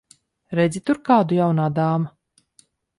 Redzi tur kādu, jaunā dāma?